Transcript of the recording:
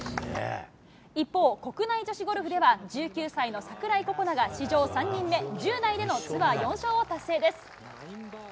一方、国内女子ゴルフでは、１９歳の櫻井心那が、史上３人目、１０代でのツアー４勝を達成です。